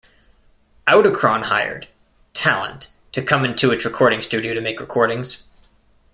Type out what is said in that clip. Audichron hired "talent" to come into its recording studio to make recordings.